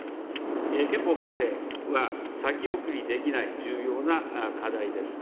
憲法改正は先送りできない重要な課題です。